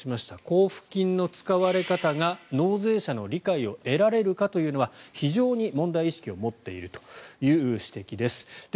交付金の使われ方が納税者の理解を得られるかというのは非常に問題意識を持っているという指摘です。